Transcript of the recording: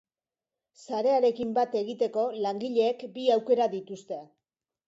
Sarearekin bat egiteko, langileek bi aukera dituzte.